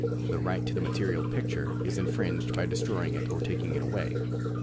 The right to the material pic ture is infringed by destroying it or taking it away.